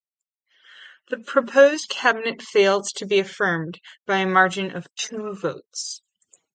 The proposed cabinet failed to be affirmed by a margin of two votes.